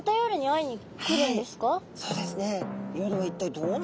はいそうですね。